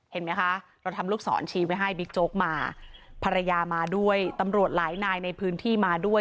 เห็นไหมคะเราทำลูกศรชี้ไว้ให้บิ๊กโจ๊กมาภรรยามาด้วยตำรวจหลายนายในพื้นที่มาด้วย